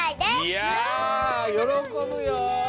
いやよろこぶよ。